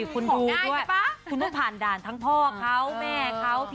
คุณที่ไปผ่านด่านทั้งเพศเฟ้อค่ะ